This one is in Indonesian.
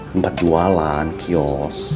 tempat jualan kios